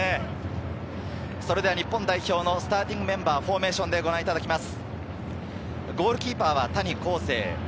それでは日本代表のスターティングメンバーをフォーメーションでご覧いただきます。